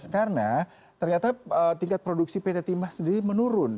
karena ternyata tingkat produksi pt timah sendiri menurun